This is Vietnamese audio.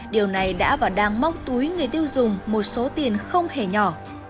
điều này đã và đang móc túi người tiêu dùng một số tiền không hề nhỏ